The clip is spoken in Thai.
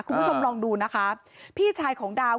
คุณผู้ชมลองดูนะคะพี่ชายของดาว